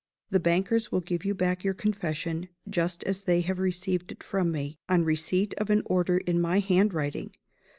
The bankers will give you back your Confession just as they have received it from me on receipt of an order in my handwriting.